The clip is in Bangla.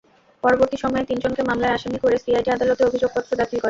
পরবর্তী সময়ে তিনজনকে মামলায় আসামি করে সিআইডি আদালতে অভিযোগপত্র দাখিল করেন।